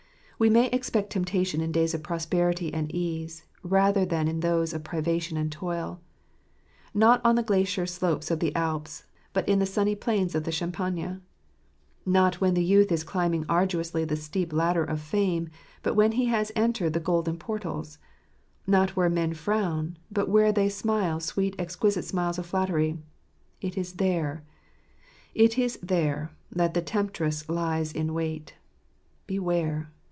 .We may expect temptation in days of prosperity and ease rather than in those of privation and toil. Not on the glacier slopes of the Alps, but in the sunny plains of the Campagna; not when the youth is climbing arduously the steep ladder of fame, but when he has entered the golden portals ; not where men frown, but where they smile sweet exquisite smiles of flattery— it is there , it is there , that the temptress lies in wait I Beware!